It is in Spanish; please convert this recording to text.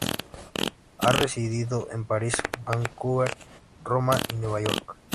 Ha residido en París, Vancouver, Roma y Nueva York.